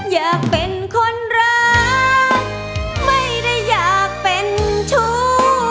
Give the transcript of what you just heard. อยากเป็นคนรักไม่ได้อยากเป็นชู้